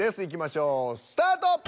いきましょうスタート！